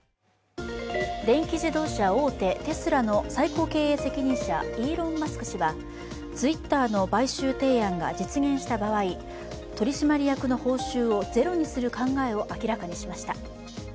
電気自動車大手テスラの最高経営責任者、イーロン・マスク氏はツイッターの買収提案が実現した場合、取締役の報酬をゼロにする考えを明らかにしました。